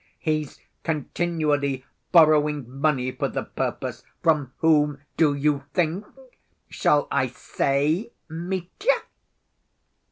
He's continually borrowing money for the purpose. From whom do you think? Shall I say, Mitya?"